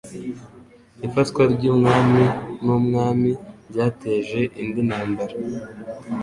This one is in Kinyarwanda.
Ifatwa ry'umwami n'umwami ryateje indi ntambara